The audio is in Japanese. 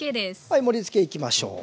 はい盛りつけいきましょう。